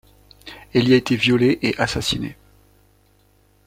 Elle y a été violée et assassinée.